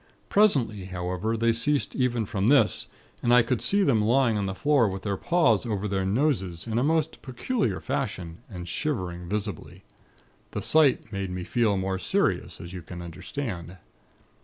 Presently, however, they ceased even from this, and I could see them lying on the floor with their paws over their noses, in a most peculiar fashion, and shivering visibly. The sight made me feel more serious, as you can understand.